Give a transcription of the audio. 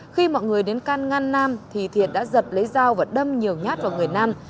khi mọi người đến can ngăn nam thì thiện đã giật lấy dao và đâm nhiều nhát vào người nam